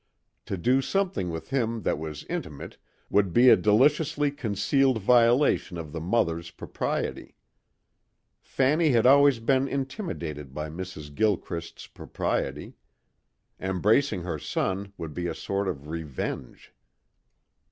To do something with him that was intimate would be a deliciously concealed violation of the mother's propriety. Fanny had always been intimidated by Mrs. Gilchrist's propriety. Embracing her son would be a sort of revenge.